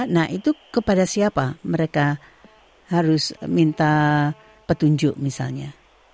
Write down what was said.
nah itu kepada siapa mereka harus minta petunjuk misalnya